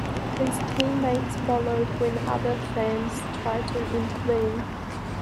His teammates followed when other fans tried to intervene.